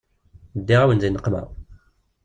Ddiɣ-awen di nneqma.